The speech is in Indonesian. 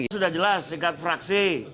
sudah jelas sekat fraksi